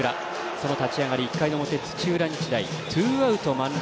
その立ち上がり、１回の表土浦日大、ツーアウト満塁。